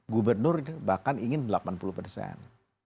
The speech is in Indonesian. gubernur bahkan ingin delapan puluh persen